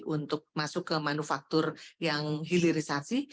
untuk masuk ke manufaktur yang hilirisasi